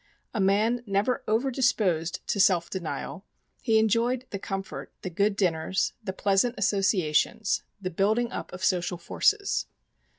A man never overdisposed to self denial, he enjoyed the comfort, the good dinners, the pleasant associations, the building up of social forces.